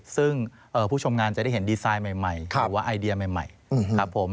ซึ่งผู้ชมงานจะได้เห็นดีไซน์ใหม่หรือว่าไอเดียใหม่ครับผม